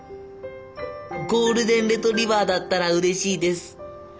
ゴールデンレトリバーだったらうれしいです」。